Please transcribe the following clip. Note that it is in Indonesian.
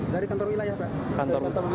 dari kantor wilayah pak